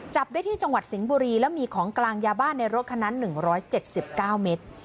จับได้ที่จังหวัดสิงห์บุรีแล้วมีของกลางยาบ้าในรถคันนั้น๑๗๙เมตร